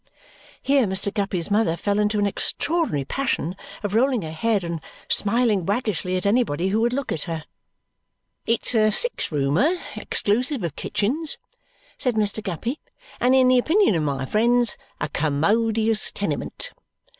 Here Mr. Guppy's mother fell into an extraordinary passion of rolling her head and smiling waggishly at anybody who would look at her. "It's a six roomer, exclusive of kitchens," said Mr. Guppy, "and in the opinion of my friends, a commodious tenement.